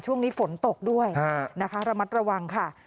ช่วงนี้ฝนตกด้วยนะคะระมัดระวังค่ะ